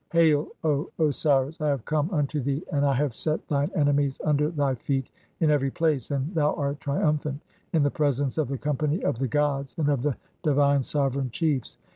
Hail, O Osiris, I have come unto thee and "I have set thine enemies under [thy feet] in every place, and "thou art triumphant in the presence of the company of the "gods and of the divine sovereign chiefs.